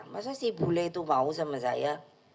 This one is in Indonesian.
masa si bule itu mau sama saya